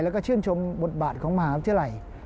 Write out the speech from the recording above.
แล้วก็ชื่นชมบทบาทของมหาวิทยาลัย